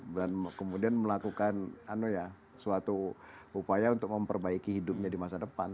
kemudian melakukan suatu upaya untuk memperbaiki hidupnya di masa depan